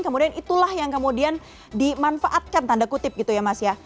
kemudian itulah yang kemudian dimanfaatkan tanda kutip gitu ya mas ya